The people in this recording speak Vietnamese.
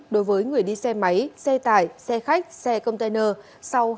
đối với người đi xe máy xe tải xe khách xe container sau hai mươi hai giờ